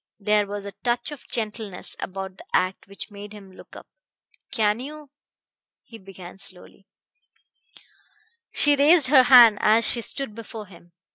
There was a touch of gentleness about the act which made him look up. "Can you " he began slowly. She raised her hand as she stood before him.